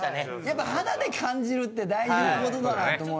やっぱ肌で感じるって大事な事だなと思うよね。